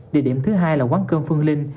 địa điểm thứ hai là quán cơm phương linh